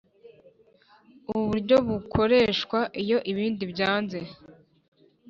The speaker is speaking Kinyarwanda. Ubu buryo bukoreshwa iyo ibindi byanze